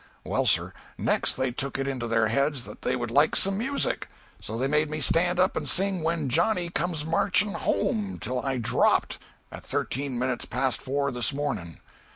Well, sir, next they took it into their heads that they would like some music; so they made me stand up and sing 'When Johnny Comes Marching Home' till I dropped at thirteen minutes past four this morning.